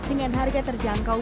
dengan harga terjangkau